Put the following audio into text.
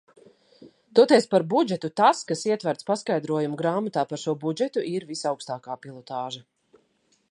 Toties par budžetu tas, kas ietverts paskaidrojumu grāmatā par šo budžetu, ir visaugstākā pilotāža.